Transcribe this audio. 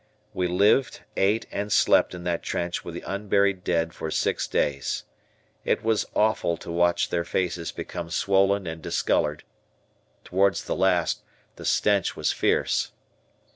We lived, ate, and slept in that trench with the unburied dead for six days. It was awful to watch their faces become swollen and discolored. Towards the last the stench was fierce.